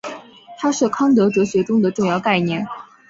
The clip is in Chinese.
它是康德哲学中的重要概念。